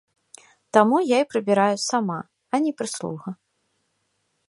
Таму я і прыбіраю сама, а не прыслуга.